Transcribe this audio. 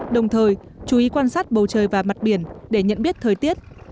đồng thời chú ý quan sát bầu trời và mặt biển để nhận biết thời tiết